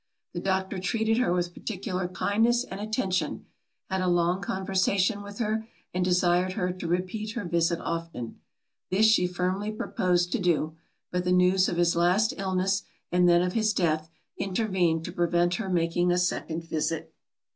The doctor treated her with particular kindness and attention, had a long conversation with her, and desired her to repeat her visit often. This she firmly purposed to do; but the news of his last illness, and then of his death, intervened to prevent her making a second visit.